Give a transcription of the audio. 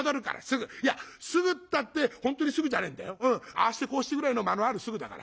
ああしてこうしてぐらいの間のあるすぐだから。